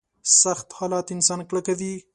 سخت حالات انسان کلکوي.